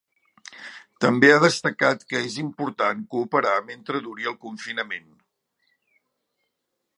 També ha destacat que és important cooperar mentre duri el confinament.